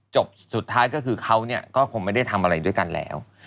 จบสุดท้ายก็คือเขาก็คงไม่ได้ทำอะไรด้วยกันแล้ว